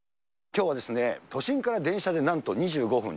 きょうはですね、都心から電車でなんと２５分。